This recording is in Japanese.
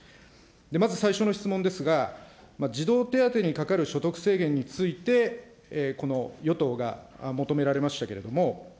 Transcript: まず最初の質問ですが、児童手当にかかる所得制限について、与党が求められましたけれども、